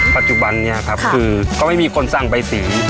ปัจจุบันนี้ครับคือก็ไม่มีคนสร้างใบสี